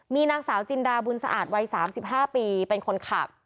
มีนางสาวจินดาบุญสะอาดวัย๓๕ปีเป็นคนขับ